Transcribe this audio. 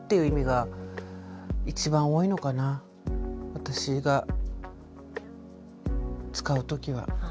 私が使う時は。